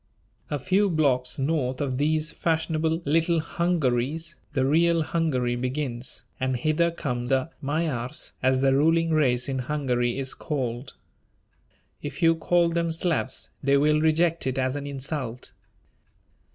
A few blocks north of these fashionable "Little Hungarys," the real Hungary begins, and hither come the "Magyars" as the ruling race in Hungary is called. If you call them Slavs they will reject it as an insult.